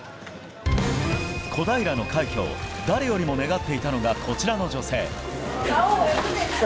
小平の快挙を誰よりも願っていたのが、こちらの女性。